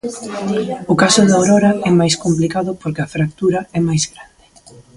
O caso de Aurora é máis complicado porque a fractura é máis grande.